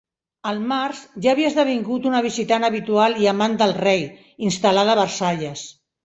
Al març, ja havia esdevingut una visitant habitual i amant del rei, instal·lada a Versalles.